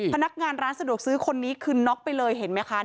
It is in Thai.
พนักงานร้านสะดวกซื้อคนนี้คือน็อกไปเลยเห็นไหมคะ